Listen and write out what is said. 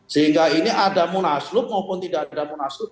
sehingga ini ada monaslob maupun tidak ada monaslob